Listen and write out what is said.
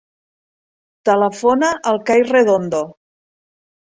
Telefona al Kai Redondo.